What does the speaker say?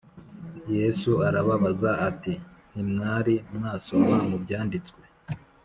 Yesu arababaza ati “Ntimwari mwasoma mu byanditswe